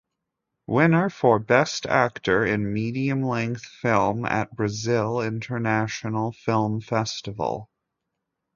Winner for Best Actor in Medium Length Film at Brazil International Film Festival.